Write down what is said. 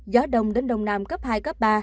gió đông đến đồng nam cấp hai cấp ba